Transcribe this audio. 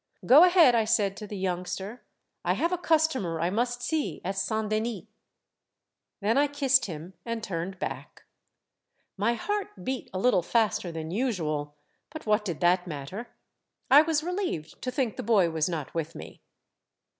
"* Go ahead,' I said to the youngster. * I have a customer I must see at Saint Denis.' *' Then I kissed him, and turned back. My heart beat a Httle faster than usual, but what did that matter ? I was relieved to think the boy was not with me.